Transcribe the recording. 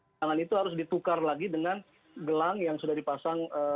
tangan itu harus ditukar lagi dengan gelang yang sudah dipasang